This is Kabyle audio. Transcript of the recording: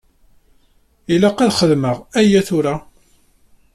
Ilaq ad xedmeɣ aya tura.